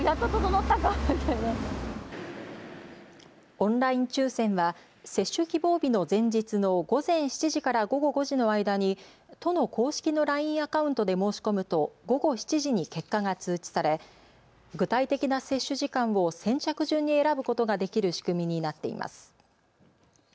オンライン抽せんは接種希望日の前日の午前７時から午後５時の間に人の公式のＬＩＮＥアカウントで申し込むと午後７時に結果が通知され具体的な接種時間を先着順に選ぶことができる仕組みになっています。